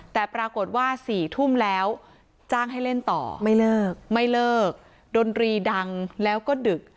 แต่ปรากฏว่า๔ทุ่มแล้วจ้างให้เล่นต่อไม่เลิกไม่เลิกดนตรีดังแล้วก็ดึก